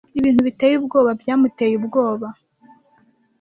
Ibintu biteye ubwoba byamuteye ubwoba.